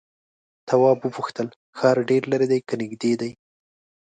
تواب وپوښتل ښار ډېر ليرې دی که نږدې دی؟